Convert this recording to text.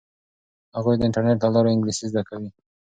هغوی د انټرنیټ له لارې انګلیسي زده کوي.